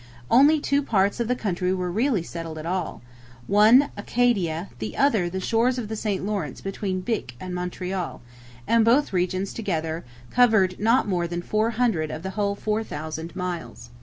Only two parts of the country were really settled at all: one Acadia, the other the shores of the St Lawrence between Bic and Montreal; and both regions together covered not more than four hundred of the whole four thousand miles.